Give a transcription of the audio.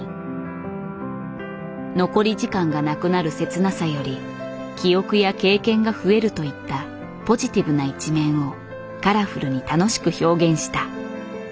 残り時間がなくなる切なさより記憶や経験が増えるといったポジティブな一面をカラフルに楽しく表現した。